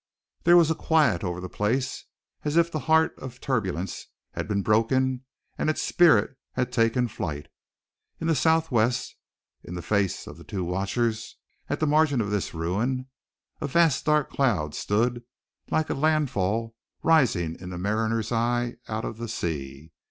There was a quiet over the place, as if the heart of turbulence had been broken and its spirit had taken flight. In the southwest, in the faces of the two watchers at the margin of this ruin, a vast dark cloud stood like a landfall rising in the mariner's eye out of the sea.